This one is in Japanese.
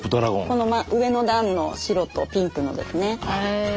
この上の段の白とピンクのですね。